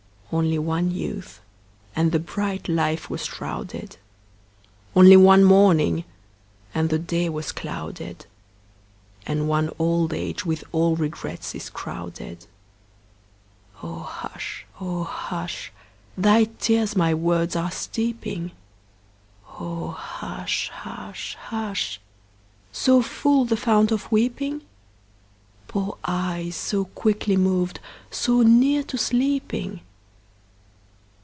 Only one youth, and the bright life was shrouded; Only one morning, and the day was clouded; And one old age with all regrets is crowded. O hush, O hush! Thy tears my words are steeping. O hush, hush, hush! So full, the fount of weeping? Poor eyes, so quickly moved, so near to sleeping?